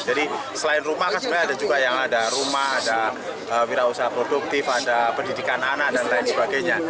jadi selain rumah ada juga yang ada rumah ada wirausaha produktif ada pendidikan anak dan lain sebagainya